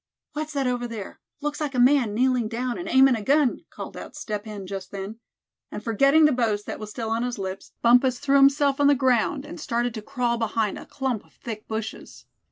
"What's that over there; looks like a man kneeling down, and aimin' a gun!" called out Step Hen just then; and forgetting the boast that was still on his lips, Bumpus threw himself on the ground, and started to crawl behind a clump of thick bushes.